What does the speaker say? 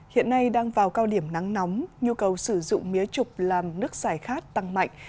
hiện nay đang vào cao điểm nắng nóng nhu cầu sử dụng mía trục làm nước xài khát tăng mạnh